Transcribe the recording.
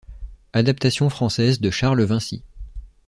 Adaptation française de Charles Vinci.